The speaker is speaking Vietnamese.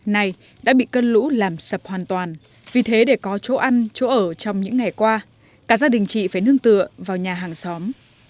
này đã bị cơn lũ làm sập hoàn toàn vì thế để có chỗ ăn chỗ ở trong những ngày qua cả gia đình chị phải nương tựa vào nhà hàng xóm